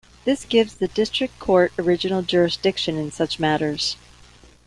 This gives the District Court original jurisdiction in such matters.